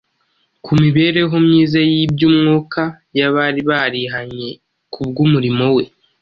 ku mibereho myiza y’iby’umwuka y’abari barihanye kubw’umurimo we.